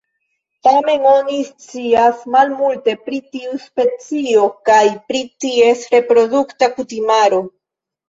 Tamen oni scias malmulte pri tiu specio kaj pri ties reprodukta kutimaro.